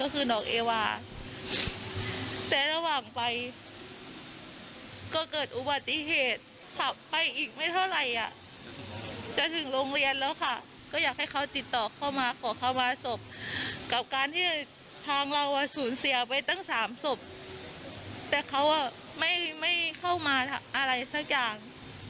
กับการที่พร้อมเราสูญเสียไปตั้ง๓ศพแต่เขาไม่เข้ามาอะไรสักอย่าง